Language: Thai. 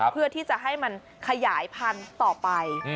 เพื่อที่จะให้มันขยายพันธุ์ต่อไป